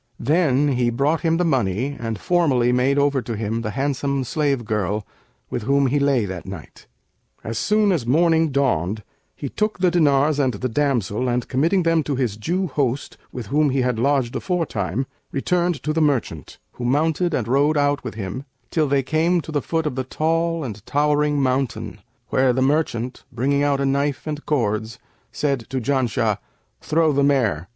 Then he brought him the money and formally made over to him the handsome slave girl with whom he lay that night. As soon as morning dawned, he took the diners and the damsel and, committing them to his Jew host with whom he had lodged afore time, returned to the merchant, who mounted and rode out with him, till they came to the foot of the tall and towering mountain, where the merchant, bringing out a knife and cords, said to Janshah, 'Throw the mare.'